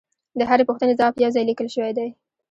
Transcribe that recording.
د هرې پوښتنې ځواب یو ځای لیکل شوی دی